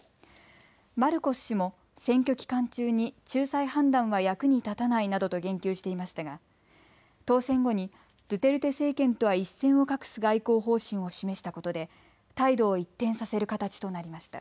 マルコス氏も選挙期間中に仲裁判断は役に立たないなどと言及していましたが当選後にドゥテルテ政権とは一線を画す外交方針を示したことで態度を一転させる形となりました。